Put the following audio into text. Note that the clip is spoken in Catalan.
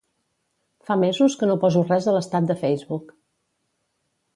Fa mesos que no poso res a l'estat de Facebook.